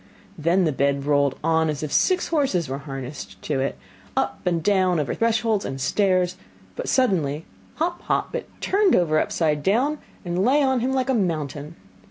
Then the bed rolled on as if six horses were harnessed to it, up and down, over thresholds and stairs, but suddenly hop, hop, it turned over upside down, and lay on him like a mountain.